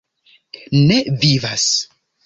Ne Vivas?